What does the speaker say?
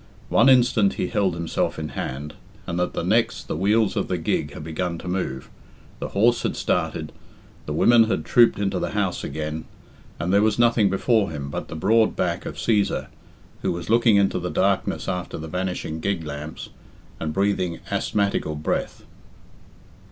One instant he held himself in hand, and at the next the wheels of the gig had begun to move, the horse had started, the women had trooped into the house again, and there was nothing before him but the broad back of Cæsar, who was looking into the darkness after the vanishing gig lamps, and breathing asthmatical breath.